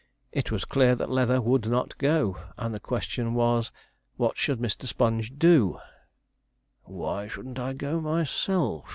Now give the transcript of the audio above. It was clear that Leather would not go; and the question was, what should Mr. Sponge do? 'Why shouldn't I go myself?'